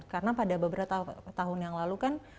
karena pada beberapa tahun yang lalu kan